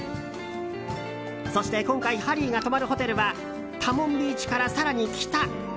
そして今回ハリーが泊まるホテルはタモンビーチから更に北。